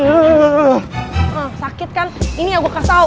ah sakit kan ini yang gua kasih tau